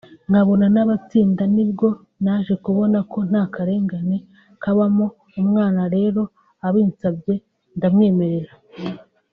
nkabona n’abatsinda nibwo naje kubona ko nta karengane kabamo umwana rero abinsabye ndamwemerera